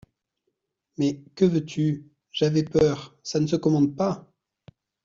Mais que veux-tu ?… J'avais peur … Ça ne se commande pas.